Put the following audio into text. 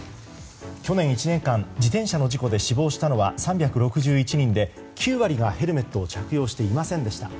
去年１年間、自転車の事故で死亡したのは３６１人で９割がヘルメットを着用していませんでした。